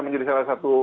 menjadi salah satu